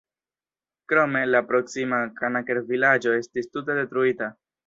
Krome, la proksima Kanaker-vilaĝo estis tute detruita.